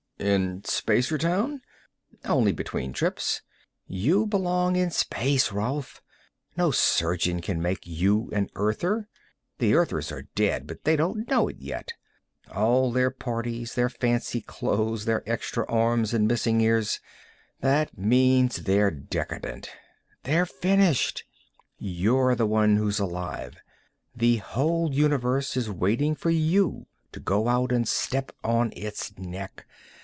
"In Spacertown?" "Only between trips. You belong in space, Rolf. No surgeon can make you an Earther. The Earthers are dead, but they don't know it yet. All their parties, their fancy clothes, their extra arms and missing ears that means they're decadent. They're finished. You're the one who's alive; the whole universe is waiting for you to go out and step on its neck.